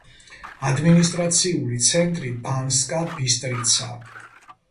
ადმინისტრაციული ცენტრი ბანსკა-ბისტრიცა.